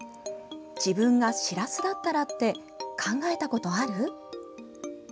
「自分がしらすだったらって考えたことある？」。